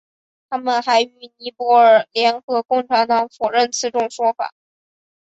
他们还与尼泊尔联合共产党否认此种说法。